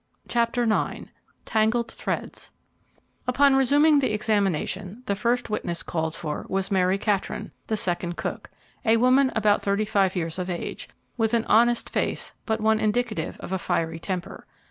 CHAPTER IX TANGLED THREADS Upon resuming the examination, the first witness called for was Mary Catron, the second cook, a woman about thirty five years of age, with an honest face, but one indicative of a fiery temper.